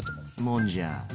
もんじゃう。